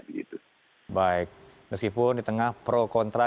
baik meskipun di tengah pro kontra